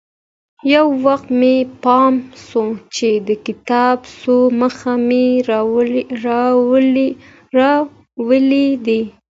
يو وخت به مې پام سو چې د کتاب څو مخه مې اړولي دي.